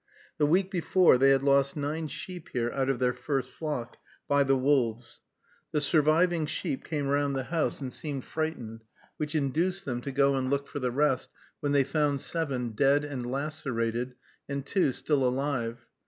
The week before they had lost nine sheep here out of their first flock, by the wolves. The surviving sheep came round the house, and seemed frightened, which induced them to go and look for the rest, when they found seven dead and lacerated, and two still alive.